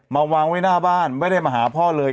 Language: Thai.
วางไว้หน้าบ้านไม่ได้มาหาพ่อเลย